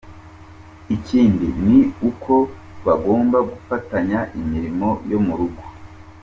Ikindi ni uko bagomba gufatanya imirimo yo mu rugo.